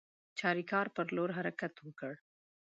چاریکار پر لور حرکت وکړ.